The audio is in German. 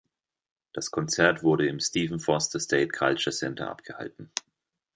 Das Konzert wurde im "Stephen Foster State Culture Center" abgehalten.